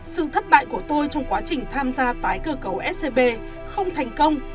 sự thất bại của tôi trong quá trình tham gia tái cơ cấu scb không thành công